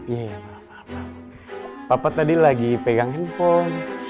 ya ya papa tadi lagi pegang handphone